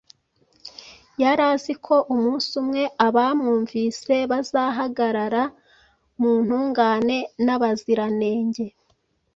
Yari azi ko umunsi umwe abamwumvise bazahagarara mu ntungane n’abaziranenge